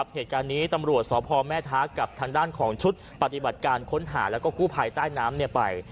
เหตุการณ์นี้ตำรวจสพแม่ท้ากับทางด้านของชุดปฏิบัติการค้นหาแล้วก็กู้ภัยใต้น้ำไป